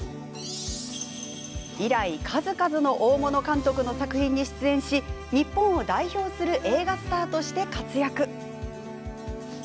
以来数々の大物監督の作品に出演し日本を代表する映画スターとして活躍。